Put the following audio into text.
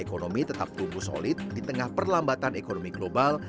ekonomi tetap tumbuh solid di tengah perlambatan ekonomi global